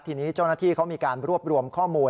ทีนี้เจ้าหน้าที่เขามีการรวบรวมข้อมูล